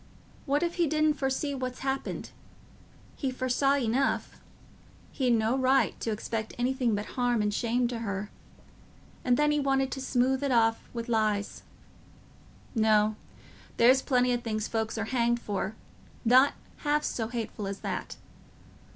What if he didn't foresee what's happened? He foresaw enough; he'd no right to expect anything but harm and shame to her. And then he wanted to smooth it off wi' lies. No—there's plenty o' things folks are hanged for not half so hateful as that.